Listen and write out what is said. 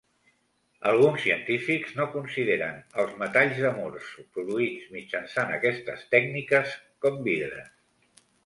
Alguns científics no consideren als metalls amorfs produïts mitjançant aquestes tècniques com vidres.